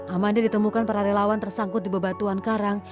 amanda ditemukan para relawan tersangkut di bebatuan karang